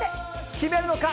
決めるのか。